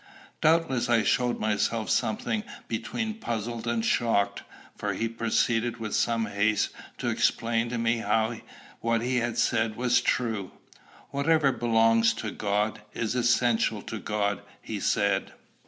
Doubtless I showed myself something between puzzled and shocked, for he proceeded with some haste to explain to me how what he had said was true. 'Whatever belongs to God is essential to God,' he said.